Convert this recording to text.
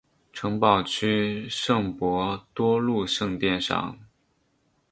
城堡区圣伯多禄圣殿上。